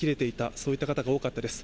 そういった方が多かったです。